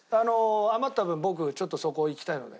余った分僕ちょっとそこいきたいので。